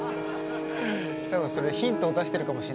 多分それはヒントを出してるかもしれない。